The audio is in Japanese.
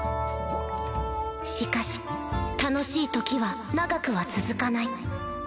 しかし楽しい時は長くは続かない